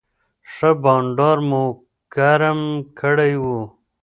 ښه بنډار مو ګرم کړی و.